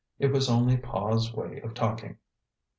It was only Pa's way of talking.